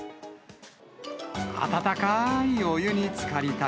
温かーいお湯につかりたい。